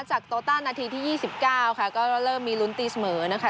จากโตต้านาทีที่ยี่สิบเก้าค่ะก็เริ่มมีลุ้นตีเสมอนะคะ